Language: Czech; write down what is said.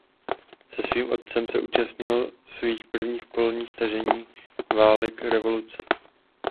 Se svým otcem se účastnil svých prvních polních tažení válek revoluce.